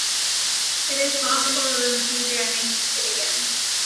It is possible that in the future I may seek it again.